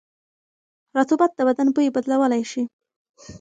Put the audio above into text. رطوبت د بدن بوی بدلولی شي.